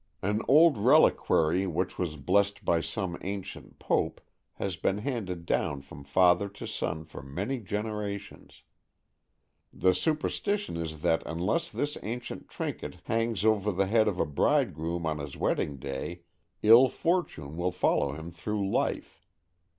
An old reliquary which was blessed by some ancient Pope has been handed down from father to son for many generations. The superstition is that unless this ancient trinket hangs over the head of a bridegroom on his wedding day, ill fortune will follow him through life.